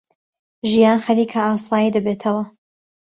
ژیان خەریکە ئاسایی دەبێتەوە.